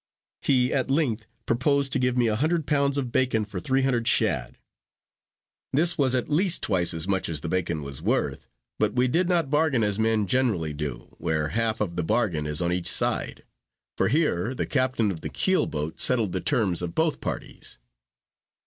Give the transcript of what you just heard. He at length proposed to give me a hundred pounds of bacon for three hundred shad. This was at least twice as much as the bacon was worth; but we did not bargain as men generally do, where half of the bargain is on each side; for here the captain of the keel boat settled the terms for both parties.